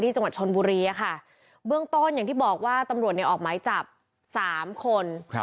จังหวัดชนบุรีค่ะเบื้องต้นอย่างที่บอกว่าตำรวจเนี่ยออกหมายจับ๓คน